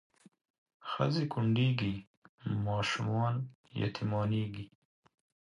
ښځې کونډېږي ماشومان یتیمانېږي